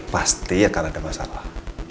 pasti akan ada masalah